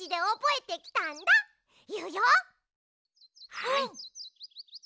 はい。